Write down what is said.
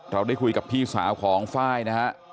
เราได้คุยกับพี่สาวของไฟล์นะฮะ